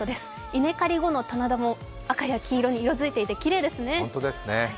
稲刈り後の棚田も赤や黄色に色づいていてきれいですね。